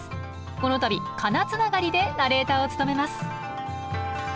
この度「かな」つながりでナレーターを務めます。